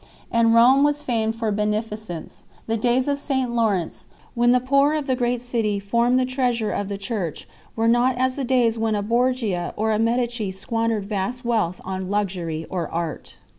And Rome was famed for beneficence; the days of St Laurence, when the poor of the great city formed the treasure of the Church 5 were not as the days when a Borgia or a Medici squandered vast wealth on luxury or art.